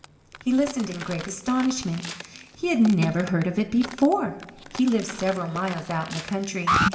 He listened in great astonishment; he had never heard of it before. He lived several miles out in the country.